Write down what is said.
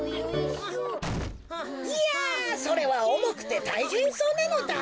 いやそれはおもくてたいへんそうなのだ。